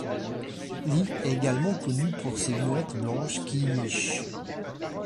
L'île est également connue pour les mouettes blanches qui y nichent.